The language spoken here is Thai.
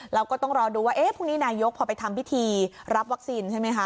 แล้วก็ต้องรอดูว่าพรุ่งนี้นายกพอไปทำพิธีรับวัคซีนใช่ไหมคะ